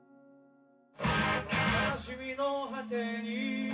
「悲しみの果てに」